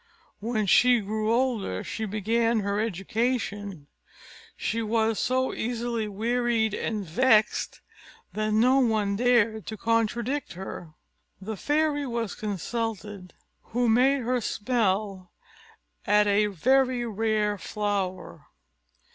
When she grew older, and began her education, she was so easily wearied and vexed, that no one dared to contradict her. The fairy was consulted; who made her smell at a very rare flower.